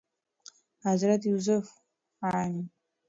حضرت يوسف ع